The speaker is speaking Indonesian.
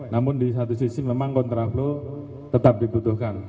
namun di satu sisi memang kontra flow tetap dibutuhkan